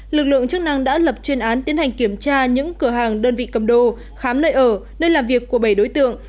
lực lượng chức năng đã lập chuyên án tiến hành kiểm tra những cửa hàng đơn vị cầm đồ khám nơi ở nơi làm việc của bảy đối tượng